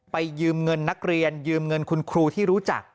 ยืมเงินนักเรียนยืมเงินคุณครูที่รู้จัก